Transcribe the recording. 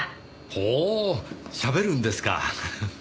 ほうしゃべるんですか！